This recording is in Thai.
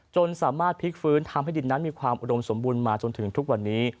จนสามารถพลิกฟื้นทำให้ดินนั้นมีความอุดมสมบูรณ์มาจนถึงทุกวันนี้